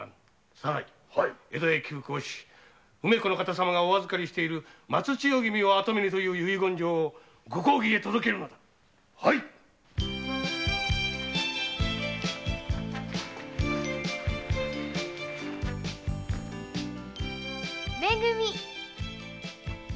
左内江戸へ急行し梅子の方様がお預かりしている松千代君を跡目にという遺言状をご公儀に届けるのだめ組だわ。